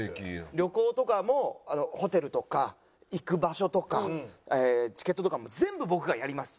旅行とかもホテルとか行く場所とかチケットとかも全部僕がやります。